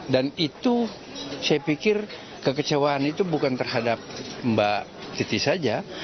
dan itu saya pikir kekecewaan itu bukan terhadap mbak titi saja